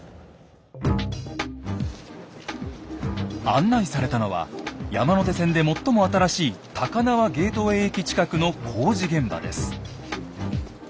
案内されたのは山手線で最も新しい高輪ゲートウェイ駅近くの工事現場です。